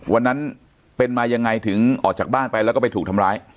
วันนั้นเป็นมายังไงถึงออกจากบ้านไปแล้วก็ไปถูกทำร้าย